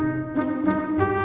alia gak ada ajak rapat